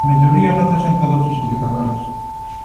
A melloría nótase en todos os indicadores.